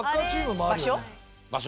場所？